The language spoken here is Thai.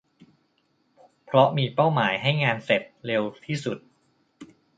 เพราะมีเป้าหมายให้งานเสร็จเร็วที่สุด